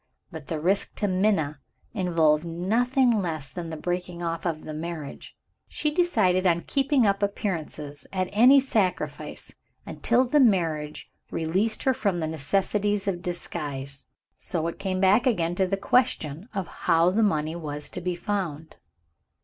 But the risk to Minna involved nothing less than the breaking off of the marriage. She decided on keeping up appearances, at any sacrifice, until the marriage released her from the necessities of disguise. So it came back again to the question of how the money was to be found.